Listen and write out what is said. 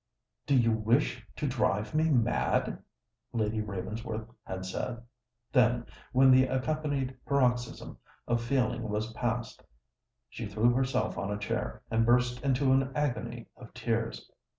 "Do you wish to drive me mad?" Lady Ravensworth had said:—then, when the accompanying paroxysm of feeling was past, she threw herself on a chair, and burst into an agony of tears.